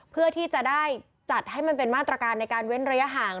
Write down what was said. เพื่อที่จะได้จัดให้มันเป็นมาตรการในการเว้นระยะห่าง